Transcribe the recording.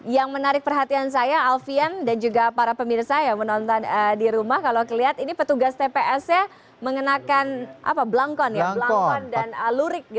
yang menarik perhatian saya alfian dan juga para pemirsa yang menonton di rumah kalau kelihatan ini petugas tps nya mengenakan blangkon dan lurik